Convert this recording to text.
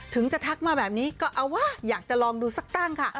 ถึงจะทักมาแบบนี้ก็เอาว่าอยากจะลองดูสักตั้งค่ะ